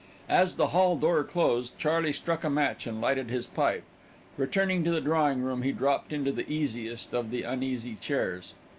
As the hall door closed, Charley struck a match and lighted his pipe. Returning to the drawing room, he dropped into the easiest of the uneasy chairs.